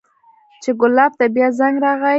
چې ګلاب ته بيا زنګ راغى.